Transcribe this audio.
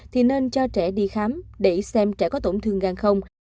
thì nên cho trẻ đi khám để xem trẻ có tổn thương gan không